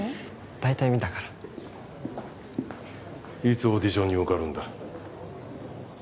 大体見たからいつオーディションに受かるんだ？